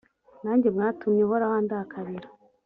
nanjye mwatumye uhoraho andakarira